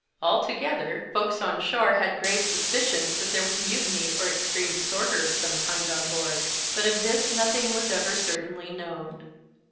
Altogether, folks on shore had grave suspicions that there was mutiny or extreme disorder of some kind on board ; but of this nothing was ever certainly known.